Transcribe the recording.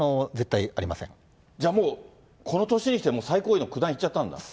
じゃあもう、この年にして最高位の九段いっちゃったんだ。